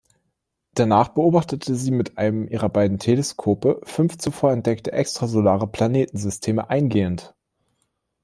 Danach beobachtete sie mit einem ihrer beiden Teleskope fünf zuvor entdeckte extrasolare Planetensysteme eingehend.